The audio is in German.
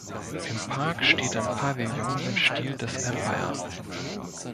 Im Park steht ein Pavillon im Stil des Empire.